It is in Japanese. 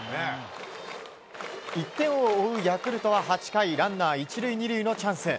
１点を追うヤクルトは８回ランナー１塁２塁のチャンス。